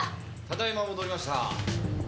ただいま戻りました。